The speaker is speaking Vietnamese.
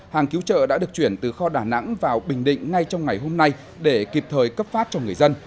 hàng cứu trợ đã được chuyển từ kho đà nẵng vào bình định ngay trong ngày hôm nay để kịp thời cấp phát cho người dân